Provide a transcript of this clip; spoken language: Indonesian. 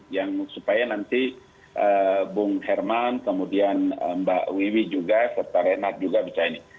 yang supaya nanti bung herman kemudian mbak wiwi juga serta renat juga bisa ini